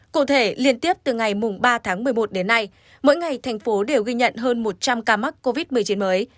cụ thể liên tiếp từ ngày ba tháng một mươi một đến nay mỗi ngày thành phố đều ghi nhận hơn một trăm linh ca mắc covid một mươi chín mới